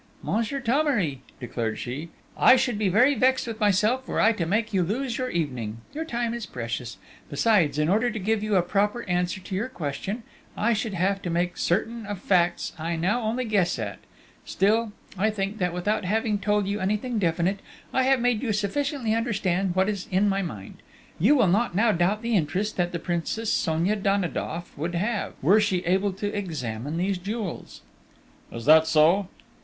"Monsieur Thomery," declared she, "I should be very vexed with myself were I to make you lose your evening ... your time is precious; besides, in order to give you a proper answer to your question, I should have to make certain of facts I only now guess at.... Still, I think that without having told you anything definite, I have made you sufficiently understand what is in my mind,... you will not now doubt the interest that the Princess Sonia Danidoff would have, were she able to examine these jewels...." "Is that so?"